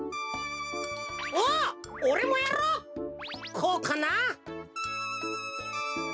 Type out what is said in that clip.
こうかな？